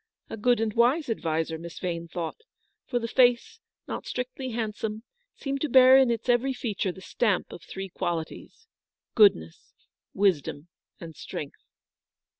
A good and wise adviser, Miss Vane thought : for the face, not strictly hand some, seemed to bear in its every feature the stamp of three qualities — goodness, wisdom, and strength.